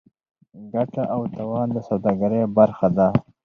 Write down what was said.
ګټه او تاوان د سوداګرۍ برخه ده.